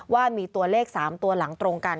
ว่ามีตัวเลข๓ตัวหลังตรงกัน